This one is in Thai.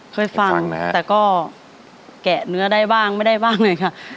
เคยฟังแต่ก็แกะเนื้อได้บ้างไม่ได้บ้างเลยค่ะ